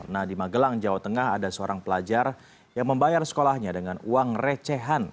nah di magelang jawa tengah ada seorang pelajar yang membayar sekolahnya dengan uang recehan